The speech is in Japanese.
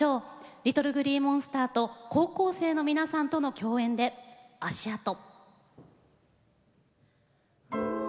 ＬｉｔｔｌｅＧｌｅｅＭｏｎｓｔｅｒと高校生の皆さんとの共演で「足跡」。